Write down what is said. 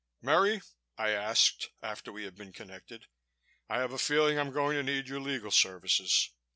"Merry?" I asked, after we had been connected. "I have a feeling I'm going to need your legal services....